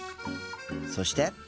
そして。